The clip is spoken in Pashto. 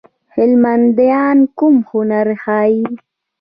هنرمندان کوم هنر ښيي؟